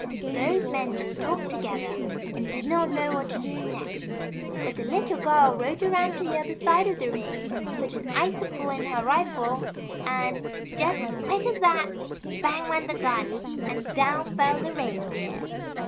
Those men just talked together, and did not know what to do next ; but the Little Girl rode round to the other side of the ring, put an ici cle in her rifle, and, just as quick as that, bang went MARY LEE'S STORY. the gun, and down fell the Reindeer.